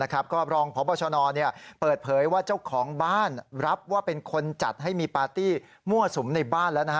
ก็รองพบชนเปิดเผยว่าเจ้าของบ้านรับว่าเป็นคนจัดให้มีปาร์ตี้มั่วสุมในบ้านแล้ว